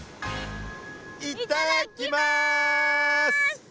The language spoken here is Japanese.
いっただきます！